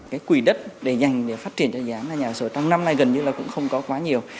cái quỷ đất để dành để phát triển cho dự án là nhà sổ trong năm nay gần như là cũng không có quá nhiều